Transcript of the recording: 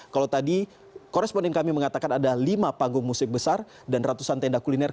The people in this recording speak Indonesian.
kalau tadi koresponden kami mengatakan ada lima panggung musik besar dan ratusan tenda kuliner